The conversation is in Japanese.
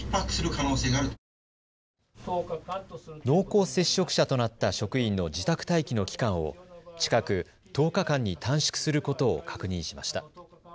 濃厚接触者となった職員の自宅待機の期間を近く、１０日間に短縮することを確認しました。